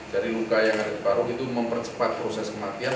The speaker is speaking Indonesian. jadi luka yang ada di paru itu mempercepat proses kematian